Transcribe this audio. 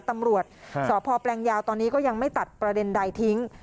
ตำรวจสพแปลงยาวตอนนี้ก็ยังไม่ตัดประเด็นใดทิ้ง